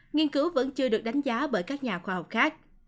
nghiên cứu vẫn chưa được đánh giá bởi các nhà khoa học khác